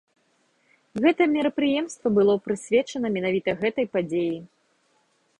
Гэтае мерапрыемства было прысвечана менавіта гэтай падзеі.